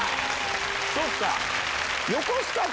そっか！